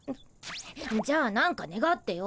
じゃあ何かねがってよ。